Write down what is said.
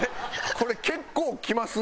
これ結構きますね。